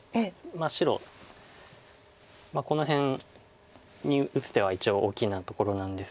白この辺に打つ手は一応大きなところなんですが。